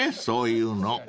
そういうの］